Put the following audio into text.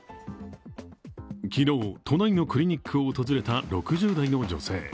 昨日、都内のクリニックを訪れた６０代の女性。